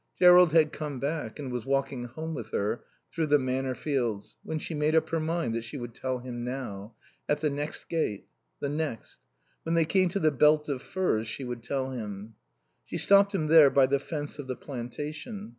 Jerrold had come back and was walking home with her through the Manor fields when she made up her mind that she would tell him now; at the next gate the next when they came to the belt of firs she would tell him. She stopped him there by the fence of the plantation.